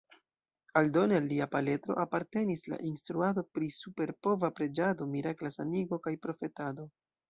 Aldone al lia paletro apartenis la instruado pri superpova preĝado, mirakla sanigo kaj profetado.